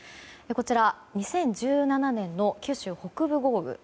こちら２０１７年の九州北部豪雨。